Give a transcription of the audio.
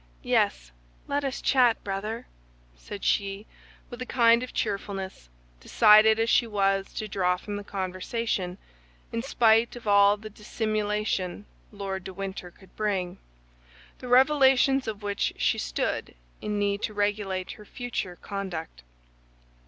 "Yes, let us chat, brother," said she, with a kind of cheerfulness, decided as she was to draw from the conversation, in spite of all the dissimulation Lord de Winter could bring, the revelations of which she stood in need to regulate her future conduct.